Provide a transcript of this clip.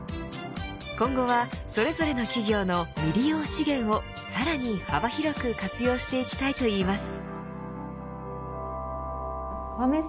今後はそれぞれの企業の未利用資源をさらに幅広く活用していきたいといいます。